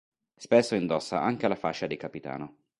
Spesso indossa anche la fascia di capitano.